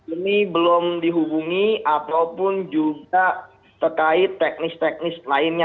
ini belum dihubungi ataupun juga terkait teknis teknis lainnya